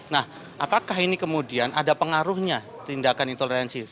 nah apakah ini kemudian ada pengaruhnya tindakan intoleransi